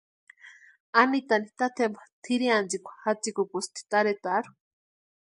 Anitani tatempa tʼirhiantsikwa jatsikukusti tarhetarhu.